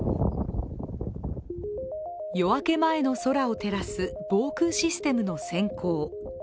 夜明け前の空を照らす防空システムのせん光。